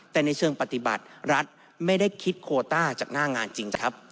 แต่ในเชิงปฏิบัติรัฐไม่ได้คิดโคต้าจากหน้างานจริงนะครับ